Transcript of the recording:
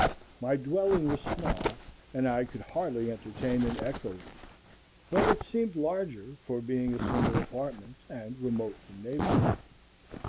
My dwelling was small, and I could hardly entertain an echo in it; but it seemed larger for being a single apartment and remote from neighbors.